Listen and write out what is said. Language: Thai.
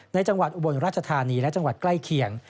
จังหวัดอุบลราชธานีและจังหวัดใกล้เคียง